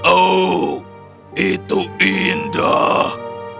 oh itu indah